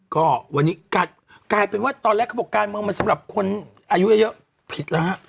ก็วันนี้กลายเป็นว่าตอนแรกเขาบอกการเมืองมันสำหรับคนอายุเยอะผิดแล้วฮะ